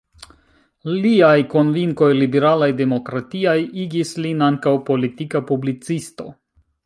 Liaj konvinkoj liberalaj-demokratiaj igis lin ankaŭ politika publicisto.